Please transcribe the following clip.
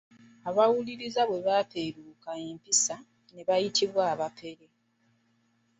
Abawuliriza bwe baapeeruuka empisa, ne bayitibwa abapere.